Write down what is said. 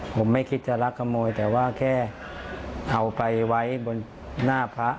ผมไม่คิดจะรักขโมยแต่ว่าแค่เอาไปไว้บนหน้าพระ